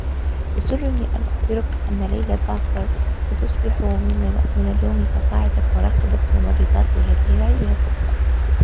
يسرّني أن أخبركم أنّ ليلى باكر ستصبح من اليوم فصاعدا مراقبة الممرّضات لهذه العيادة.